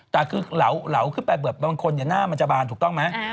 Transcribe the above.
แต่คือเหลาขึ้นไปแบบบางคนหน้ามันจะบานถูกต้องไหม